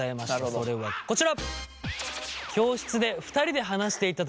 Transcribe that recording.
それはこちら。